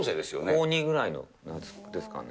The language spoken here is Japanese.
高２ぐらいのときですかね。